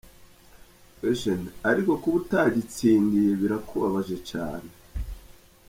Q: Ariko kuba utagitsindiye birakubabaje cane?.